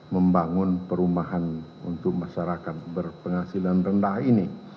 membangun perumahan untuk masyarakat berpenghasilan rendah ini